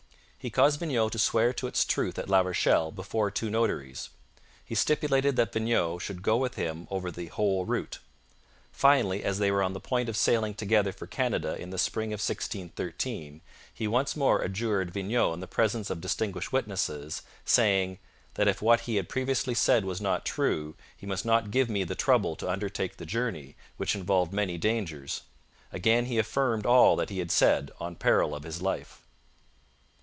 He caused Vignau to swear to its truth at La Rochelle before two notaries. He stipulated that Vignau should go with him over the whole route. Finally, as they were on the point of sailing together for Canada in the spring of 1613, he once more adjured Vignau in the presence of distinguished witnesses, saying 'that if what he had previously said was not true, he must not give me the trouble to undertake the journey, which involved many dangers. Again he affirmed all that he had said, on peril of his life.'